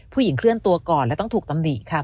เคลื่อนตัวก่อนและต้องถูกตำหนิค่ะ